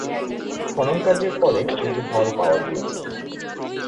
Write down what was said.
খননকার্যের ফলে তিনটি হল পাওয়া গিয়েছে।